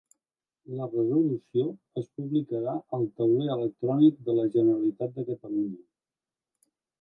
La resolució es publicarà al tauler electrònic de la Generalitat de Catalunya.